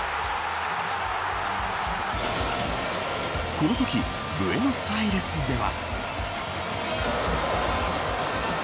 このときブエノスアイレスでは。